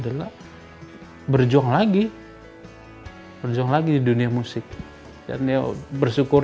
aku merasa terluka